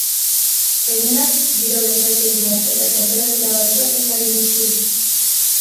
Egunak giro desatsegina eta tenperatura baxuak ekarri dizkigu.